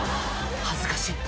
恥ずかしい